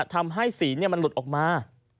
ทำให้สีมันหลุดออกมา